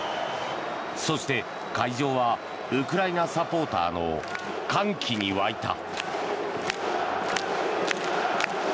そして、会場はウクライナサポーターの歓喜に沸いた。